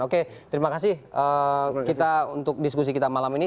oke terima kasih kita untuk diskusi kita malam ini